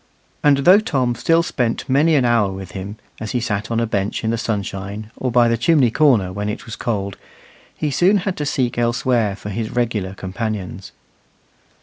And though Tom still spent many an hour with him, as he sat on a bench in the sunshine, or by the chimney corner when it was cold, he soon had to seek elsewhere for his regular companions.